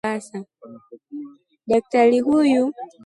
Daktari huyu alisoma katika chuo kikuu cha Mombasa